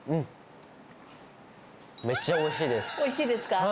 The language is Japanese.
おいしいですか？